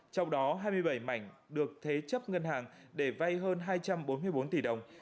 trong đó hai mươi bảy mảnh được thế chấp ngân hàng để vay hơn hai trăm bốn mươi bốn tỷ đồng